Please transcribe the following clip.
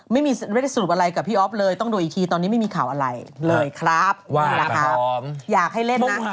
ไม่ได้สรุปอะไรกับพี่อ๊อฟเลยต้องดูอีกที